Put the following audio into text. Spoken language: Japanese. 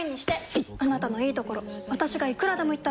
いっあなたのいいところ私がいくらでも言ってあげる！